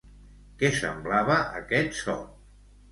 Què semblava aquest so?